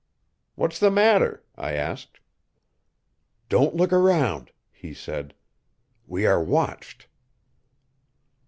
"What's the matter?" I asked. "Don't look around," he said. "We are watched."